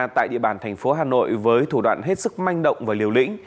tại địa bàn thành phố hà nội với thủ đoạn hết sức manh động và liều lĩnh